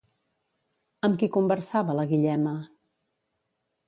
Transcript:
Amb qui conversava la Guillema?